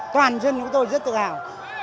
toàn dân của tôi rất tự hào